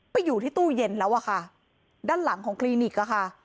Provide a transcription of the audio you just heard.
ไปอยู่ที่ตู้เย็นแล้วอะค่ะด้านหลังของคลินิกอะค่ะ